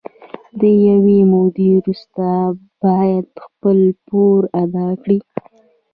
له یوې مودې وروسته باید خپل پور ادا کړي